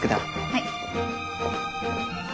はい。